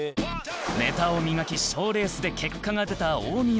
ネタを磨き賞レースで結果が出た大宮